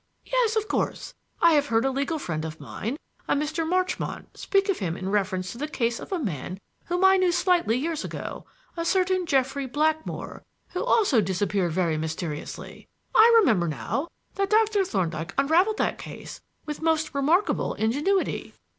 Yes, of course. I have heard a legal friend of mine, a Mr. Marchmont, speak of him in reference to the case of a man whom I knew slightly years ago a certain Jeffrey Blackmore, who also disappeared very mysteriously. I remember now that Dr. Thorndyke unraveled that case with most remarkable ingenuity."